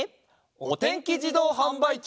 「おてんきじどうはんばいき」！